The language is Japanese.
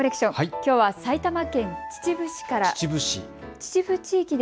きょうは埼玉県秩父市から。